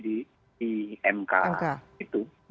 di mk itu